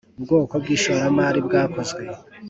bwoko bw ishoramari bwakozwe